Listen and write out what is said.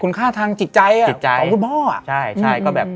คุณค่าทางจิตใจของคุณพ่อ